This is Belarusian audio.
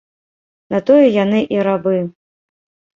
На тое яны і рабы.